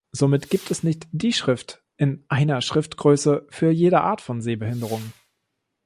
Somit gibt es nicht "die" Schrift in "einer" Schriftgröße für jede Art von Sehbehinderung.